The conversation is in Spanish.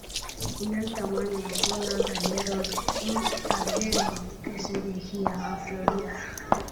En alta mar, las olas dañaron un carguero que se dirigía a Florida.